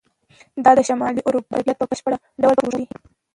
دا د شمالي اروپا ادبیات په بشپړ ډول پوښي.